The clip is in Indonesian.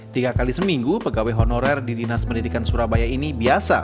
tiga kali seminggu pegawai honorer di dinas pendidikan surabaya ini biasa